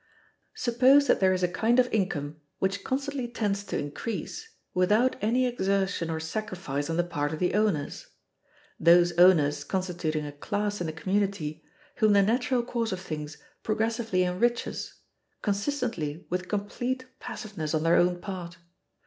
Suppose that there is a kind of income which constantly tends to increase, without any exertion or sacrifice on the part of the owners: those owners constituting a class in the community, whom the natural course of things progressively enriches, consistently with complete passiveness on their own part.